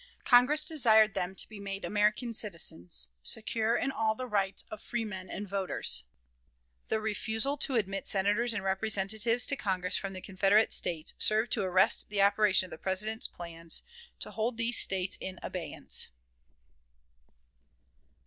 Congress desired them to be made American citizens, secure in all the rights of freemen and voters. The refusal to admit Senators and Representatives to Congress from the Confederate States served to arrest the operation of the President's plans to hold these States in abeyance.